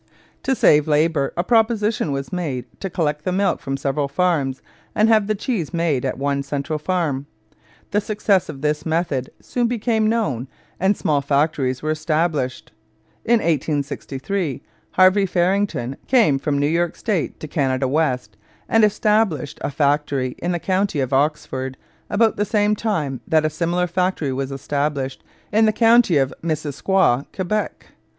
To save labour, a proposition was made to collect the milk from several farms and have the cheese made at one central farm. The success of this method soon became known and small factories were established. In 1863 Harvey Farrington came from New York State to Canada West and established a factory in the county of Oxford, about the same time that a similar factory was established in the county of Missisquoi, Quebec.